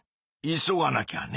急がなきゃね！